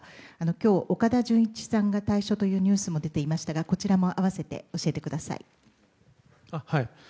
今日、岡田准一さんが退所というニュースも出ていましたがこちらも合わせて教えてください。